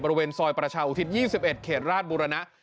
บริเวณซอยประชาอุทิศ๒๑เขตราชบุรณะ